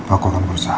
aku akan berusaha